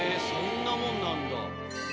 そんなもんなんだ。